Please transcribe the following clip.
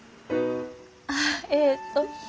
あえっと。